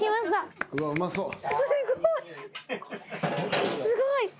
すごい！